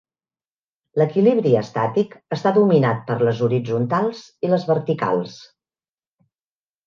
L'equilibri estàtic està dominat per les horitzontals i les verticals.